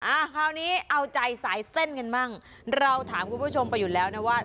อ่าคราวนี้เอาใจสายเส้นกันบ้างเราถามคุณผู้ชมไปอยู่แล้วนะว่า